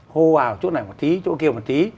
hô vào chỗ này một tí chỗ kia một tí